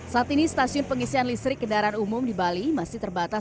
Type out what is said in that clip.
saat ini stasiun pengisian listrik kendaraan umum di bali masih terbatas